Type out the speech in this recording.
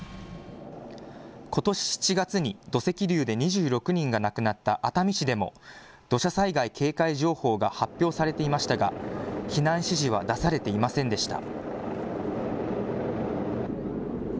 ことし７月に土石流で２６人が亡くなった熱海市でも土砂災害警戒情報が発表されていましたが避難指示は出されていませんでした。